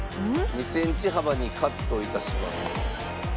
２センチ幅にカット致します。